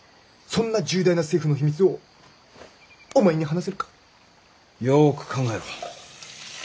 そんな重大な政府の秘密をお前に話せるか？